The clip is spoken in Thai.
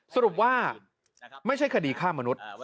สรุปว่าไม่ใช่คดีฆ่ามนุษย์